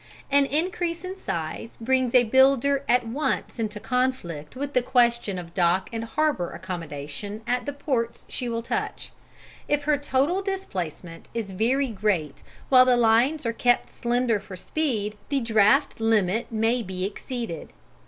An increase in size brings a builder at once into conflict with the question of dock and harbour accommodation at the ports she will touch: if her total displacement is very great while the lines are kept slender for speed, the draught limit may be exceeded.